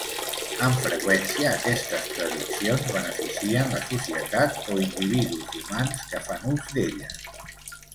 Amb freqüència aquestes prediccions beneficien la societat o individus humans que fan ús d'elles.